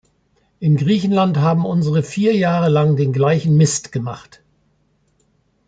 In Griechenland haben unsere vier Jahre lang den gleichen Mist mitgemacht.